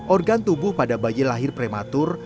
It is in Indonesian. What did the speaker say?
organ tubuh pada bayi lahir prematur